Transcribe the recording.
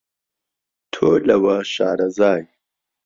تۆ لەوە شارەزای